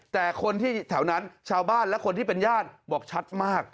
แต่คนที่แถวนั้นชาวบ้านและคนที่เป็นญาติบอกชัดมาก